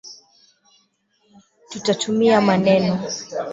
tutatumia maneno.